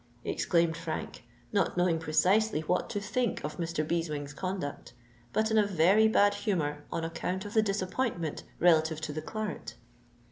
exclaimed Frank, not knowing precisely what to think of Mr. Beeswing's conduct, but in a very bad humour on account of the disappointment relative to the claret.